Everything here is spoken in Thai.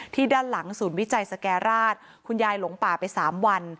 ด้านหลังศูนย์วิจัยสแก่ราชคุณยายหลงป่าไป๓วัน